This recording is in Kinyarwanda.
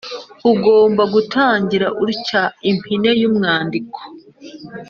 ugomba gutangira utya: “impine y’umwandiko…”